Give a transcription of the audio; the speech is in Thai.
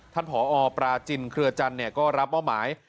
ผอปราจินเครือจันทร์ก็รับมอบหมาย